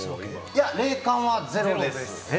いや、霊感はゼロです。